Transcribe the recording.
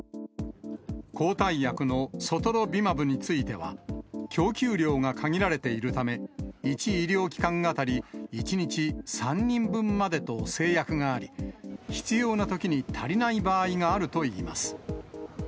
抗体薬のソトロビマブについては、供給量が限られているため、１医療機関当たり、１日３人分までと制約があり、必要なときに足りない場合があるといいます。